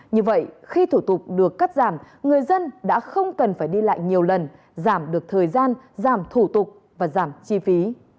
như vậy khi thủ tục được cắt giảm người dân đã không cần phải đi lại nhiều lần giảm được thời gian giảm thủ tục và giảm chi phí